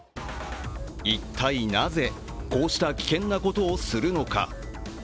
一体なぜ、こうした危険なことをするのか。